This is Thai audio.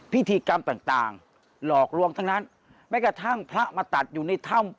พิธีกรรมต่างหลอกลวงทั้งนั้นแม้กระทั่งพระมาตัดอยู่ในถ้ำ